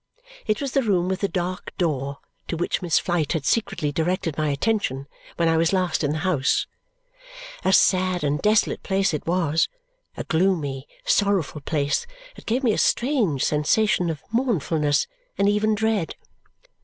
It was the room with the dark door to which Miss Flite had secretly directed my attention when I was last in the house. A sad and desolate place it was, a gloomy, sorrowful place that gave me a strange sensation of mournfulness and even dread.